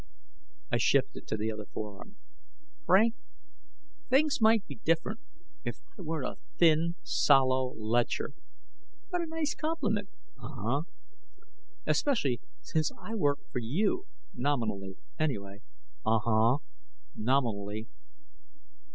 I shifted to the other forearm. "Frank, things might be different if I weren't a thin, sallow lecher." "What a nice compliment " "Uh huh." "Especially since I work for you, nominally anyway " "Uh huh, nominally."